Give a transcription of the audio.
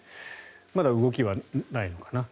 まだ動きはないのかな。